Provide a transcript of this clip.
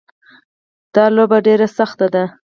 دا لوبه ډېره سخته ده